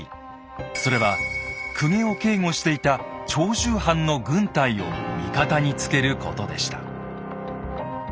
それは公家を警護していた長州藩の軍隊を味方につけることでした。